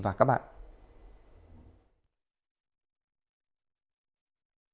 hẹn gặp lại các bạn trong những video tiếp theo